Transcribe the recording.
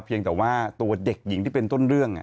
เพียงแต่ว่าตัวเด็กหญิงที่เป็นต้นเรื่อง